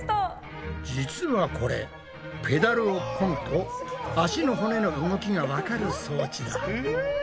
実はこれペダルをこぐと足の骨の動きがわかる装置だ。